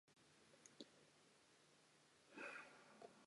この遠間からも手足が長いので届きます。